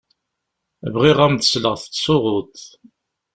Bɣiɣ ad m-d-sleɣ tettsuɣuḍ.